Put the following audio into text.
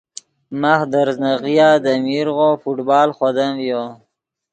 ماخ دے ریزناغیا دے میرغو فٹبال خودم ڤیو